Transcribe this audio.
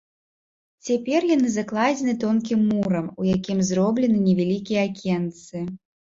Цяпер яны закладзены тонкім мурам, у якім зроблены невялікія акенцы.